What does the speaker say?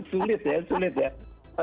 sulit ya sulit ya